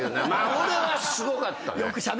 俺はすごかったね。